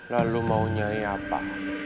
lalu mau nyai apa